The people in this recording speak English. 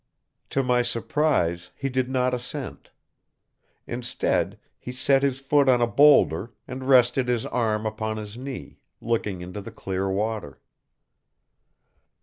To my surprise, he did not assent. Instead, he set his foot on a boulder and rested his arm upon his knee; looking into the clear water.